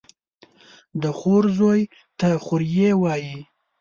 د خور زوى ته خوريه وايي.